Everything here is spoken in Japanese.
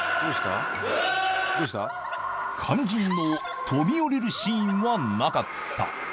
肝心の飛び降りるシーンはなかった。